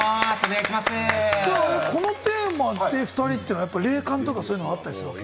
このテーマで、この２人ってやっぱり霊感とか、そういうのがあったりするわけ？